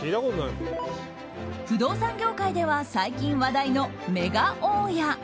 不動産業界では最近話題のメガ大家。